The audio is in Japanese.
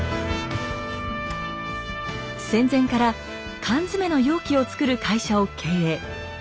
戦前から缶詰の容器を作る会社を経営。